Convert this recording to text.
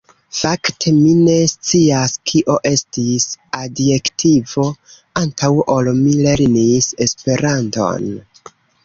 Fakte mi ne scias kio estis adjektivo antaŭ ol mi lernis Esperanton.